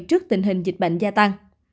trước tình hình dịch bệnh gia tăng